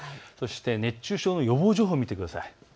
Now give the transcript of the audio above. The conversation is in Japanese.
熱中症の予防情報を見てください。